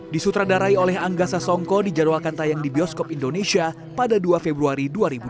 disutradarai oleh angga sasongko dijadwalkan tayang di bioskop indonesia pada dua februari dua ribu dua puluh